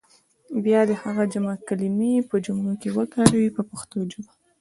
بیا دې هغه جمع کلمې په جملو کې وکاروي په پښتو ژبه.